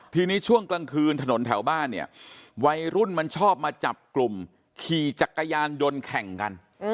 ทีนี้ช่วงกลางคืนถนนแถวบ้านเนี่ยวัยรุ่นมันชอบมาจับกลุ่มขี่จักรยานยนต์แข่งกัน